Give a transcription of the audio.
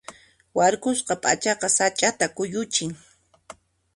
Warkusqa p'achaqa sach'ata kuyuchin.